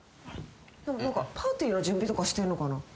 何かパーティーの準備とかしてんのかな？